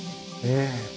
ええ。